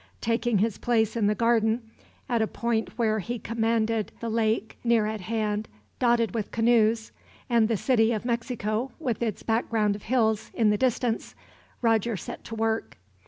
Taking his place in the garden, at a point where he commanded the lake, near at hand, dotted with canoes; and the city of Mexico, with its background of hills, in the distance, Roger set to work.